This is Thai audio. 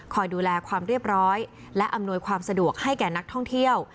ดูแลความเรียบร้อยและอำนวยความสะดวกให้แก่นักท่องเที่ยว